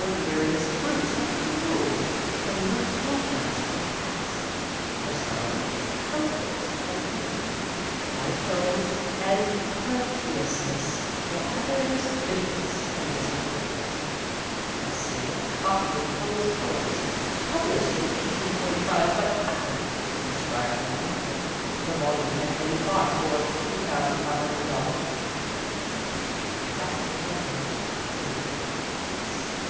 What various fruits have flowed from those ink wells of the past: for some, comfort and honor, quiet homes and plenteousness; for others, bitterness and disappointment. I have seen a copy of Poe's poems, published in 1845 by Putnam, inscribed by the author. The volume had been bought for $2,500. Think what that would have meant to Poe himself.